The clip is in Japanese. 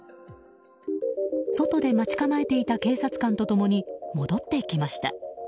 外で待ち構えていた警察官と共に戻ってきました。